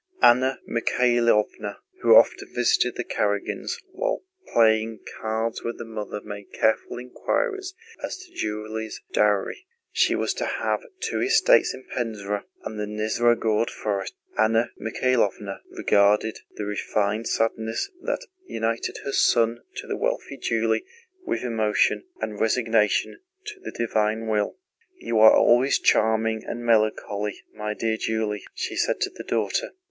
Anna Mikháylovna, who often visited the Karágins, while playing cards with the mother made careful inquiries as to Julie's dowry (she was to have two estates in Pénza and the Nizhegórod forests). Anna Mikháylovna regarded the refined sadness that united her son to the wealthy Julie with emotion, and resignation to the Divine will. "You are always charming and melancholy, my dear Julie," she said to the daughter.